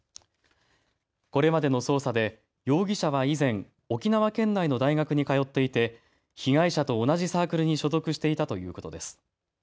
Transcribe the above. これまでの捜査で容疑者は以前、沖縄県内の大学に通っていて被害者と同じサークルに所属していたということです。